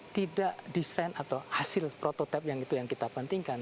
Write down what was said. tidak desain atau hasil prototipe yang itu yang kita pentingkan